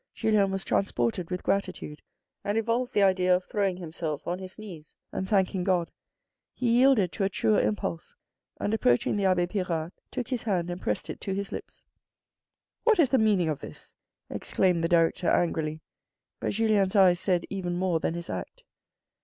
Julien was transported with gratitude and evolved the idea of throwing himself on his knees and thanking God. He yielded to a truer impulse, and approaching the abbe Pirard, took his hand and pressed it to his lips. "What is the meaning of this?" exclaimed the director angrily, but Julien's eyes said even more than his act.